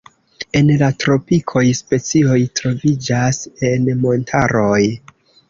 En la tropikoj specioj troviĝas en montaroj.